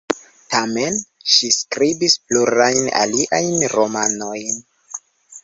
Tamen, ŝi skribis plurajn aliajn romanojn.